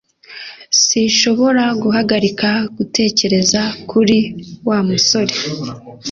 Sinshobora guhagarika gutekereza kuri Wa musore